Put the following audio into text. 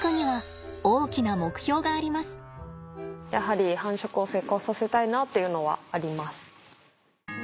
やはり繁殖を成功させたいなっていうのはあります。